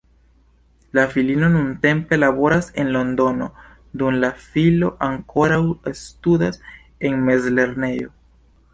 La filino nuntempe laboras en Londono, dum la filo ankoraŭ studas en mezlernejo.